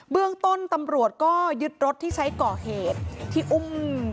เรื่องต้นตำรวจก็ยึดรถที่ใช้ก่อเหตุที่อุ้ม